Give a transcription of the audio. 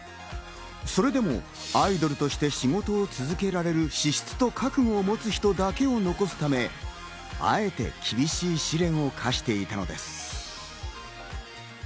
それでもアイドルとして仕事を続けられる資質と覚悟を持つ人だけを残すため、あえて厳しい試練を課していたのです。